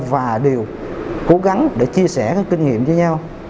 và đều cố gắng để chia sẻ các kinh nghiệm với nhau